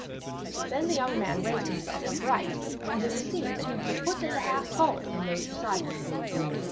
Then the young man raised himself upright, and it was seen that he was a foot and a half taller than those beside him.